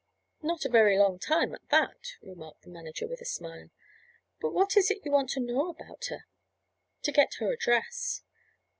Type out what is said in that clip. "Not a very long time at that," remarked the manager with a smile. "But what is it you want to know about her?" "To get her address."